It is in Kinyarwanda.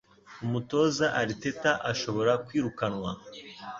Umutoza Arteta ashobora kwirukanwa